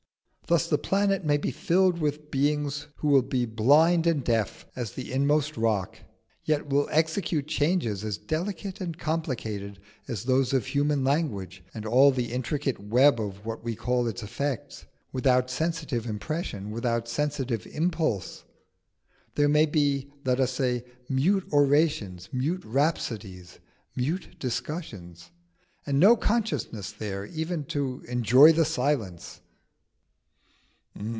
Thus this planet may be filled with beings who will be blind and deaf as the inmost rock, yet will execute changes as delicate and complicated as those of human language and all the intricate web of what we call its effects, without sensitive impression, without sensitive impulse: there may be, let us say, mute orations, mute rhapsodies, mute discussions, and no consciousness there even to enjoy the silence."